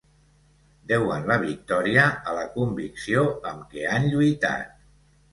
Deuen la victòria a la convicció amb què han lluitat.